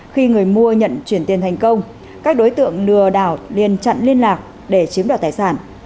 khi người mua nhận chuyển tiền thành công các đối tượng lừa đảo liên chặn liên lạc để chiếm đoạt tài sản